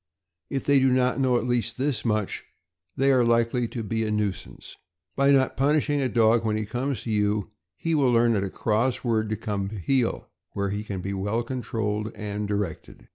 If they do not know at least this much, they are likely to be a nuisance. By not punishing a dog when he comes to you, he will learn at a cross word to come in to heel, where he can be well controlled and directed.